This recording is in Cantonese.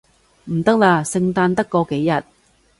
唔得啦，聖誕得嗰幾日